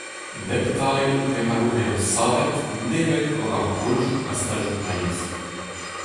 Nep tailh ne c'hallo bezañ savet nemet gant ar Breujoù ha Stadoù Breizh.